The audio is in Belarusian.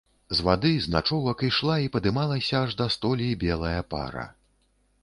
З вады, з начовак, ішла і падымалася аж да столі белая пара.